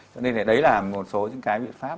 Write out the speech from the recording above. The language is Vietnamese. cho nên đấy là một số những cái biện pháp